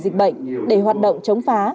dịch bệnh để hoạt động chống phá